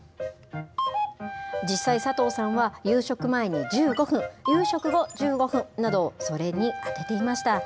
実際、佐藤さんは夕食前に１５分、夕食後１５分など、それに充てていました。